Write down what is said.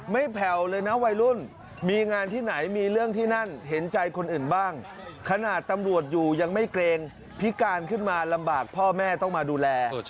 แผ่วเลยนะวัยรุ่นมีงานที่ไหนมีเรื่องที่นั่นเห็นใจคนอื่นบ้างขนาดตำรวจอยู่ยังไม่เกรงพิการขึ้นมาลำบากพ่อแม่ต้องมาดูแล